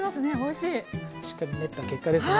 しっかり練った結果ですね。